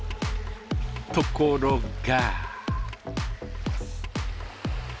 ところが。